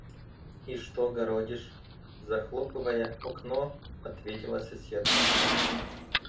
– И что городишь? – захлопывая окно, ответила соседка.